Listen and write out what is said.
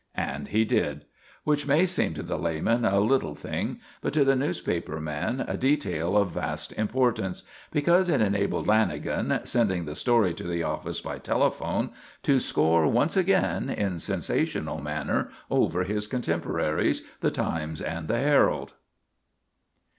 And he did; which may seem to the layman a little thing, but to the newspaper man a detail of vast importance; because it enabled Lanagan, sending the story to the office by telephone, to score once again in sensational manner over his contemporaries, the Times and the Herald.